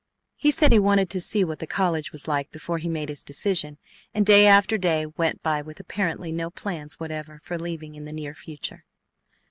He said he wanted to see what the college was like before he made his decision, and day after day went by with apparently no plans whatever for leaving in the near future.